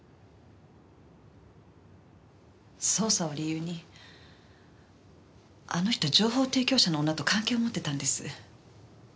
捜査を理由にあの人情報提供者の女と関係を持ってたんです。